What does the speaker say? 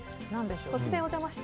突然お邪魔して。